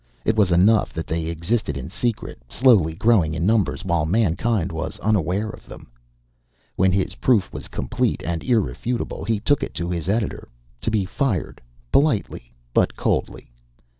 It was enough that they existed in secret, slowly growing in numbers while mankind was unaware of them. When his proof was complete and irrefutable, he took it to his editor to be fired, politely but coldly.